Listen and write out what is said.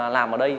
làm ở đây